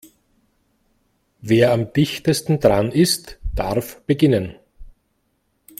Wer am dichtesten dran ist, darf beginnen.